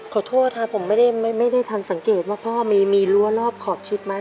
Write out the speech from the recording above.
ขอโทษครับผมไม่ได้ทันสังเกตว่าพ่อมีรั้วรอบขอบชิดไหม